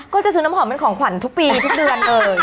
ก็จะซื้อน้ำหอมเป็นของขวัญทุกปีทุกเดือนเลย